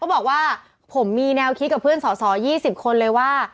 บอกว่าผมมีแนวคิดกับเพื่อนสอสอ๒๐คนเลยว่า